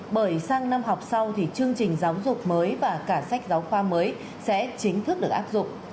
bởi sang năm học sau thì chương trình giáo dục mới và cả sách giáo khoa mới sẽ chính thức được áp dụng